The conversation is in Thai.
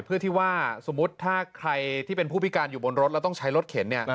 เพื่อที่ว่าสมมุติถ้าใครที่เป็นผู้พิการอยู่บนรถแล้วต้องใช้รถเข็น